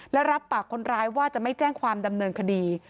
และรับปากคนร้ายว่าจะไม่แจ้งความดำเนินคดี